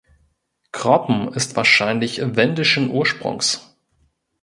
Kroppen ist wahrscheinlich wendischen Ursprungs.